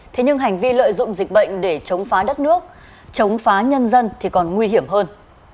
thế nhưng hành vi lợi dụng dịch bệnh để chống phá đất nước chống phá nhân dân thì còn nguy hiểm hơn